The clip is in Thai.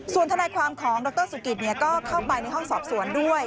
ส่วนทนายความของดรสุกิตก็เข้าไปในห้องสอบสวนด้วย